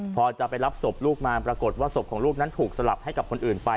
พอจะไปรับศพลูกมาปรากฏว่าศพของลูกนั้นถูกสลับให้กับคนอื่นไป